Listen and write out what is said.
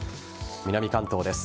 南関東です。